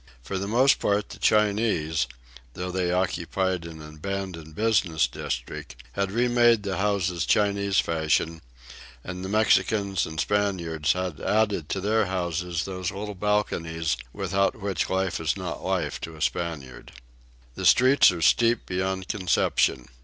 For the most part the Chinese, although they occupied an abandoned business district, had remade the houses Chinese fashion, and the Mexicans and Spaniards had added to their houses those little balconies without which life is not life to a Spaniard. The hills are steep beyond conception.